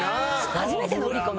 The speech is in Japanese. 初めての売り込み。